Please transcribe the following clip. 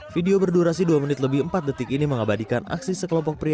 video berdurasi dua menit lebih empat detik ini mengabadikan aksi sekelompok pria